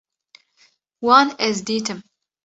Wan ez dîtim